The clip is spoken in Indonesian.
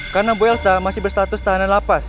karena bu elsa masih berstatus tahanan lapas